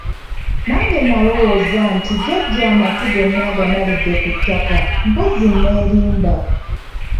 Nange nalowooza nti jjajja amatu gonna agamalidde ku ttaka, mpozzi neerimba.